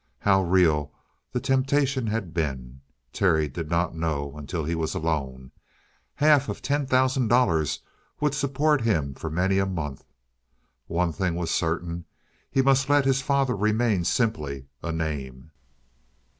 How real the temptation had been, Terry did not know until he was alone. Half of ten thousand dollars would support him for many a month. One thing was certain. He must let his father remain simply a name.